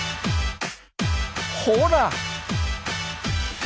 ほら！